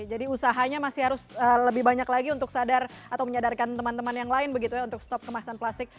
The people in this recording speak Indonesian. jadi usahanya masih harus lebih banyak lagi untuk sadar atau menyadarkan teman teman yang lain begitu ya untuk stop kemasan plastik